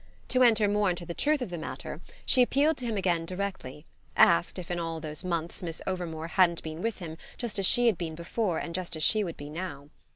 To enter more into the truth of the matter she appealed to him again directly, asked if in all those months Miss Overmore hadn't been with him just as she had been before and just as she would be now.